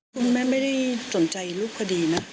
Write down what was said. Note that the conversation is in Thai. คุณแม่ไม่ได้สนใจรูปคดีนะ